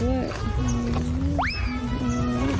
ชาวมะนาวด้วย